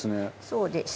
そうです